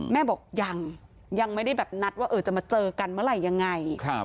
แม่บอกยังยังไม่ได้แบบนัดว่าจะมาเจอกันเมื่อไหร่ยังไง